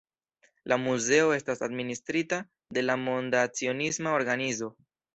La muzeo estas administrita de la Monda Cionisma Organizo.